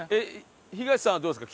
ヒガシさんはどうですか？